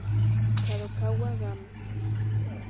Kadokawa Games